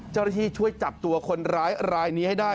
เจ้าหน้าที่ช่วยจับตัวคนร้ายรายนี้ให้ได้